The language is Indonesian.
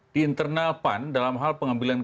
di internal pan dalam hal pengambilan